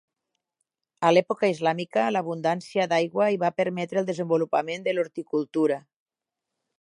A l’època islàmica, l’abundància d’aigua hi va permetre el desenvolupament de l’horticultura.